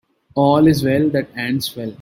All's well that ends well.